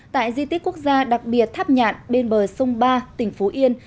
tại di tích quốc gia đặc biệt tháp nhạn bên bờ sông ba tỉnh phú yên